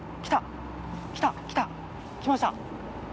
来た！